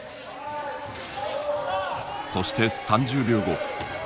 そして３０秒後。